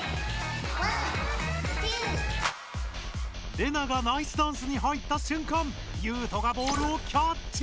レナがナイスダンスに入ったしゅんかんユウトがボールをキャッチ！